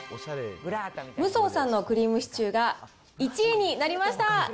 ムソーさんのクリームシチューが１位になりました。